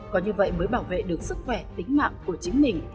có như vậy mới bảo vệ được sức khỏe tính mạng của chính mình